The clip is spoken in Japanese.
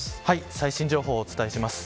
最新情報をお伝えします。